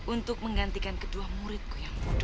untuk menggantikan kedua muridku yang bodoh itu